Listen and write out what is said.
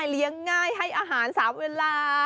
เลี้ยงง่ายให้อาหาร๓เวลา